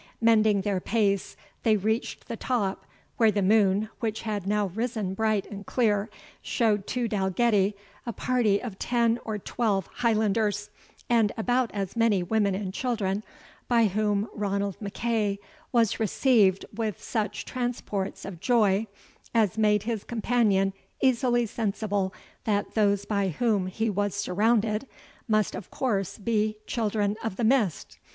Mending their pace, they reached the top, where the moon, which had now risen bright and clear, showed to Dalgetty a party of ten or twelve Highlanders, and about as many women and children, by whom Ranald MacEagh was received with such transports of joy, as made his companion easily sensible that those by whom he was surrounded, must of course be Children of the Mist.